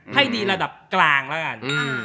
ให้ดีระดับกลางแล้วกัน